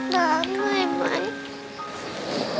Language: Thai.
ตาเมื่อยไหม